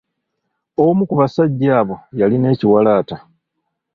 Omu ku basajja abo yalina ekiwalaata.